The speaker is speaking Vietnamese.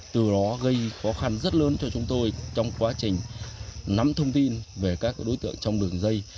từ đó gây khó khăn rất lớn cho chúng tôi trong quá trình nắm thông tin về các đối tượng trong đường dây